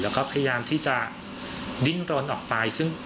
แล้วก็พยายามที่จะดิ้นรนออกไปซึ่ง